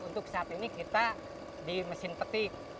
untuk saat ini kita di mesin petik